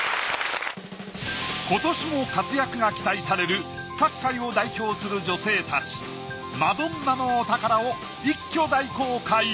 今年も活躍が期待される各界を代表する女性たちマドンナのお宝を一挙大公開